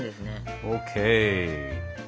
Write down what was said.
ＯＫ。